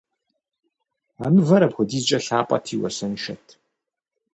А мывэр апхуэдизкӀэ лъапӀэти, уасэншэт.